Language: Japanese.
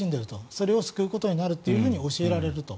それを救うことになると教えられると。